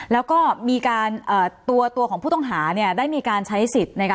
แล้วก็มีการตัวของผู้ต้องหาได้มีการใช้สิทธิ์